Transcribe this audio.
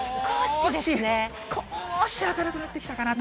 少し明るくなってきたかなと。